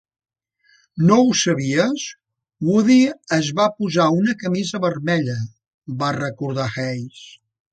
"No ho sabies? Woody es va posar una camisa vermella", va recordar Hays.